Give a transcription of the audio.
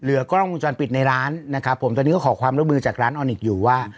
กล้องวงจรปิดในร้านนะครับผมตอนนี้ก็ขอความร่วมมือจากร้านออนิคอยู่ว่า